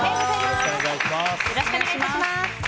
よろしくお願いします。